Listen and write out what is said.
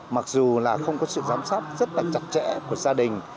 mặc dù là không có sự giám sát rất là chặt chẽ của gia đình